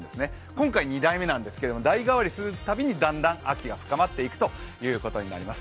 今回２代目なんですけれども代替わりするたびにだんだん秋が深まっていくということになります。